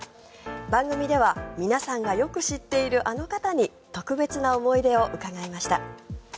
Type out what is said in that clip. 番組では皆さんがよく知っているあの方に特別な思い出を伺いました。